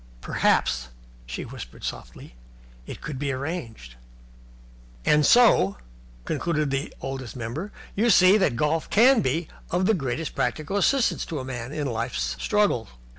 "Perhaps," she whispered, softly, "it could be arranged." "And so," (concluded the Oldest Member), "you see that golf can be of the greatest practical assistance to a man in Life's struggle.